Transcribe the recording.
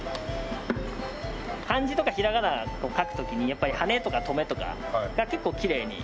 漢字とか平仮名を書く時にやっぱりはねとかとめとかが結構きれいに。